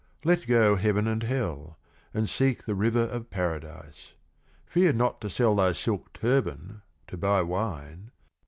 Let go Heaven and Hell ; and seek the River of Paradise. Fear not to sell thy silk Turban, to buy Wine.